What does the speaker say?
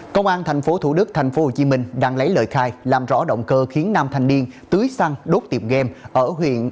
công an tp thủ đức tp hcm đang lấy lời khai làm rõ động cơ khiến năm thanh niên tưới xăng đốt tiệm game